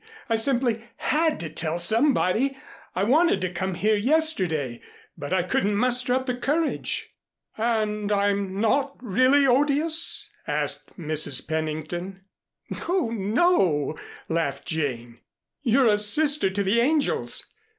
I simply had to tell somebody. I wanted to come here yesterday, but I couldn't muster up the courage." "And I'm not really 'odious'?" asked Mrs. Pennington. "No, no," laughed Jane. "You're a sister to the angels.